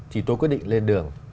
thì tôi quyết định lên đường